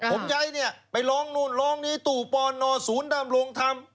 ผมใช้เนี่ยไปล้องนู่นล้องนี้ตู่ปอนด์นอศูนย์ดำลงธรรม